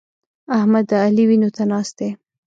احمد د علي وينو ته ناست دی.